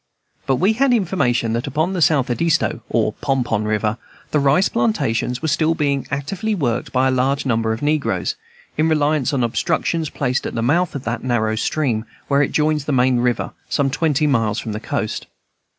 But we had information that upon the South Edisto, or Pon Pon River, the rice plantations were still being actively worked by a large number of negroes, in reliance on obstructions placed at the mouth of that narrow stream, where it joins the main river, some twenty miles from the coast.